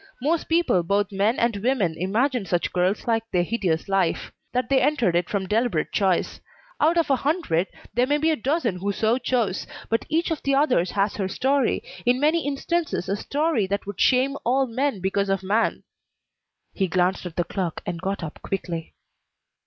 Most people, both men and women, imagine such girls like their hideous life; that they entered it from deliberate choice. Out of a hundred there may be a dozen who so chose, but each of the others has her story, in many instances a story that would shame all men because of man." He glanced at the clock and got up quickly.